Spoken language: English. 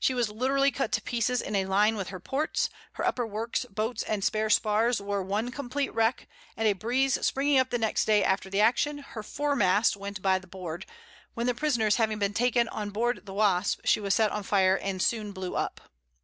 She was literally cut to pieces in a line with her ports; her upper works, boats and spare spars were one complete wreck, and a breeze springing up the next day after the action, her fore mast went by the board; when the prisoners having been taken on board the Wasp, she was set on fire and soon blew up.